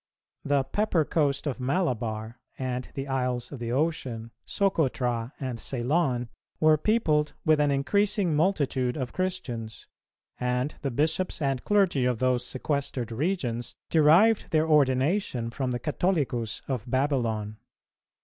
The pepper coast of Malabar and the isles of the ocean, Socotra and Ceylon, were peopled with an increasing multitude of Christians, and the bishops and clergy of those sequestered regions derived their ordination from the Catholicus of Babylon.